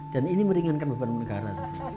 dan ini meringankan beban negara